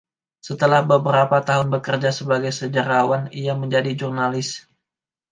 Setelah beberapa tahun bekerja sebagai sejarawan, ia menjadi jurnalis.